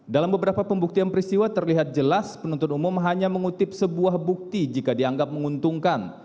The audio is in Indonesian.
dalam beberapa pembuktian peristiwa terlihat jelas penuntut umum hanya mengutip sebuah bukti jika dianggap menguntungkan